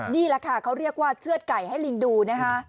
นี่แหละค่ะเขาเรียกว่าเชือดไก่ให้ลิงดูนะคะ